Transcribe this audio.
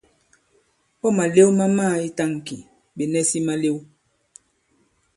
Ɔ̂ màlew ma mamàa i tāŋki, ɓè nɛsi malew.